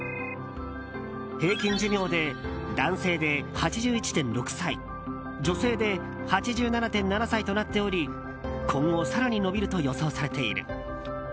平均寿命で、男性で８１．６歳女性で８７．７歳となっており今後、更に延びると予想されている。